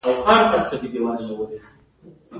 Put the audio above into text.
دا چوکۍ راحته ده.